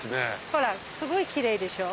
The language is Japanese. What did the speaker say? ほらすごいキレイでしょ。